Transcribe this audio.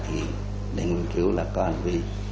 thì đại học viên cứu là có hành vi